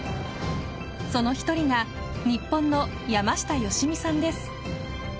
その１人が日本の山下良美さんです。